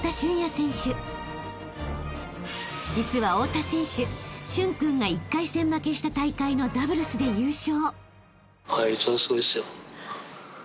［実は大田選手駿君が１回戦負けした大会のダブルスで優勝］